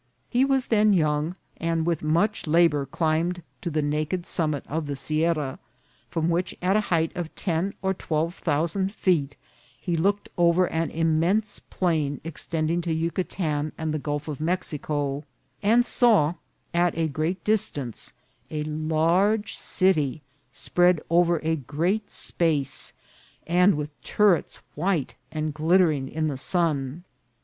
He was then young, and with much labour climbed to the naked summit of the sierra, from which, at a height of ten or twelve thousand feet, he looked over an immense plain extending to Yucatan and the Gulf of Mexico, and saw at a great distance a large city spread over a great space, and with turrets white and glittering in the sun.